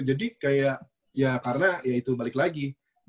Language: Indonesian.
jadi kayak ya karena ya itu balik lagi